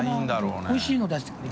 おいしいの出してくれる。